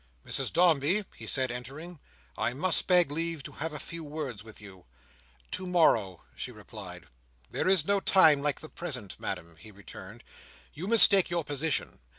"Mrs Dombey," he said, entering, "I must beg leave to have a few words with you." "To morrow," she replied. "There is no time like the present, Madam," he returned. "You mistake your position.